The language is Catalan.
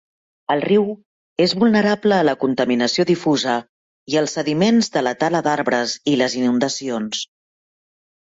El riu és vulnerable a la contaminació difusa i als sediments de la tala d'arbres i les inundacions.